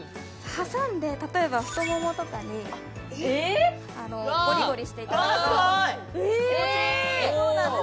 挟んで例えば太ももとかにゴリゴリしていただくとすごい気持ちいい！